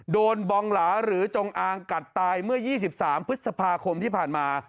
บองหลาหรือจงอางกัดตายเมื่อ๒๓พฤษภาคมที่ผ่านมา